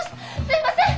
すいません！